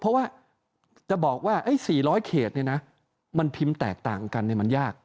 เพราะว่าจะบอกว่า๔๐๐เขตมันพิมพ์แตกต่างกันมันยาก